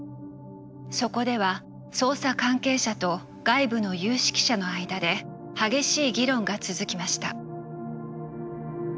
そこでは捜査関係者と外部の有識者の間で激しい議論が続きました。